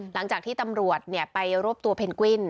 หลังจากที่ตำรวจไปรวบตัวเพนกวิน